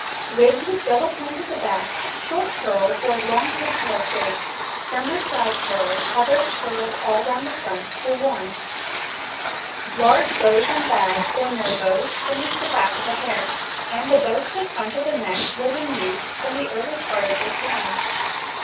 Wigs with double points at the back, short curled or of long pigtailed shapes, some with side curls, others curled all round the front, were worn. Large bows and bags, or no bows, finished the back hair, and the bow to the front of the neck was in use from the early part of this reign.